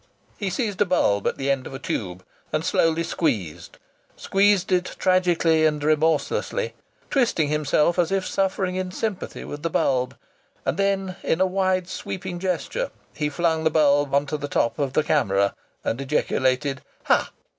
He seized a bulb at the end of a tube and slowly squeezed squeezed it tragically and remorselessly, twisting himself as if suffering in sympathy with the bulb, and then in a wide, sweeping gesture he flung the bulb on to the top of the camera and ejaculated: "Ha!"